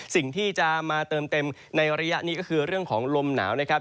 สิ่งที่จะมาเติมเต็มในระยะนี้ก็คือเรื่องของลมหนาวนะครับ